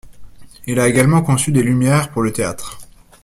Il a également conçu des lumières pour le théâtre.